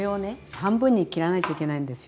半分に切らないといけないんですよ。